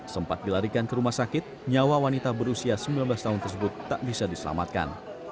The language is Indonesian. sempat dilarikan ke rumah sakit nyawa wanita berusia sembilan belas tahun tersebut tak bisa diselamatkan